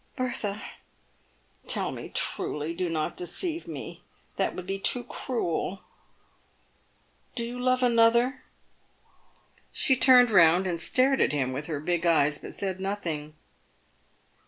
" Bertha ! tell me truly, do not deceive me — that would be too cruel !— Do you love another ?" She turned round and stared at him with her big eyes, but said nothing.